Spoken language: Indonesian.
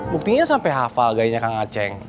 buktinya sampe hafal gayanya kang aceng